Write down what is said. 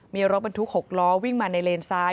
มีรถบรรทุก๖ล้อวิ่งมาในเลนซ้าย